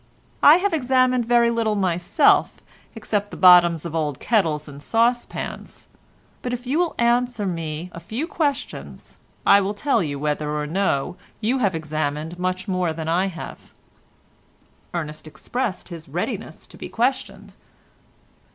I have examined very little myself except the bottoms of old kettles and saucepans, but if you will answer me a few questions, I will tell you whether or no you have examined much more than I have." Ernest expressed his readiness to be questioned.